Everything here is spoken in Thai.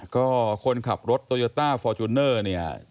ก็คนขับรถโตโยต้าฟอร์จูเนอร์เนี่ย